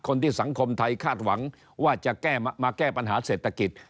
สังคมไทยคาดหวังว่าจะแก้มาแก้ปัญหาเศรษฐกิจ